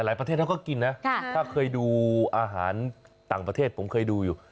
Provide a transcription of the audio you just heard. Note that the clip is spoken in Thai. ประเทศเขาก็กินนะถ้าเคยดูอาหารต่างประเทศผมเคยดูอยู่